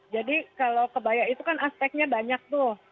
kalau kebaya itu kan aspeknya banyak tuh